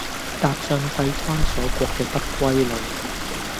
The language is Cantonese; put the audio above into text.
踏上閉關鎖國嘅不歸路